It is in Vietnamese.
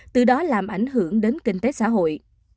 từ đó làm ảnh hưởng đến kinh tế xã hội